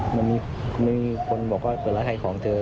มันมีคนบอกว่าเปิดแล้วใครของเจอ